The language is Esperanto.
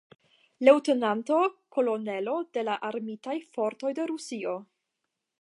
Leŭtenanto Kolonelo de la Armitaj Fortoj de Rusio.